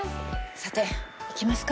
さて行きますか。